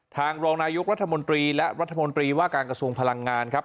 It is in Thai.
รองนายกรัฐมนตรีและรัฐมนตรีว่าการกระทรวงพลังงานครับ